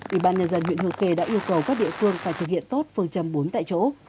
ủy ban nhân dân huyện hương khê đã yêu cầu các địa phương phải thực hiện tốt phương châm bốn tại chỗ